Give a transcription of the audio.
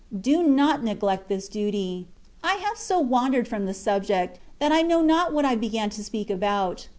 Do not neglect this duty. I have so wandered from the subject, that I know not what I began to speak about.